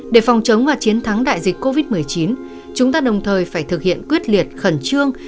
để phòng chống và chiến thắng đại dịch covid một mươi chín chúng ta đồng thời phải thực hiện quyết liệt khẩn trương